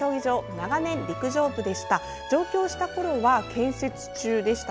長年、陸上部でした。